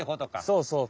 そうそう。